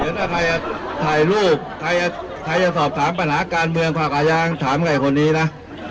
ถ้าใครจะถ่ายรูปใครจะสอบถามปัญหาการเมืองภาคอายางถามใครคนนี้นะ